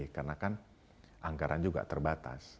karena kan anggaran juga terbatas